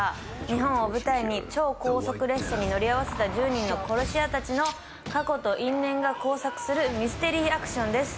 日本を舞台に超高速列車に乗り合わせた１０人の殺し屋たちの過去と因縁が交錯するミステリーアクションです。